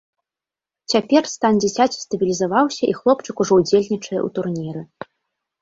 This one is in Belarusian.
Цяпер стан дзіцяці стабілізаваўся, і хлопчык ужо ўдзельнічае ў турніры.